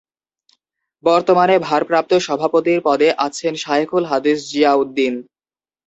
বর্তমানে ভারপ্রাপ্ত সভাপতির পদে আছেন শায়খুল হাদিস জিয়া উদ্দিন।